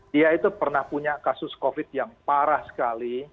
dia itu pernah punya kasus covid yang parah sekali